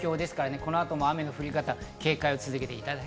この後も雨の降り方に警戒を続けてください。